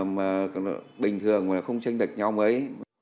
mà bình thường là không tranh đạch nhau mấy